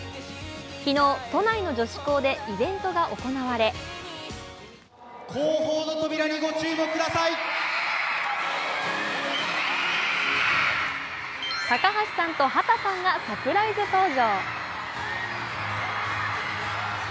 昨日、都内の女子高でイベントが行われ高橋さんと畑さんがサプライズ登場。